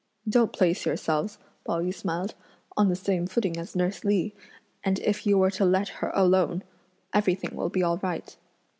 "Don't place yourselves," Pao yü smiled, "on the same footing as nurse Li, and if you were to let her alone, everything will be all right."